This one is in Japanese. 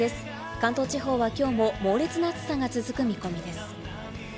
関東地方はきょうも猛烈な暑さが続く見込みです。